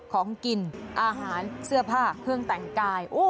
ของกินอาหารเสื้อผ้าเครื่องแต่งกาย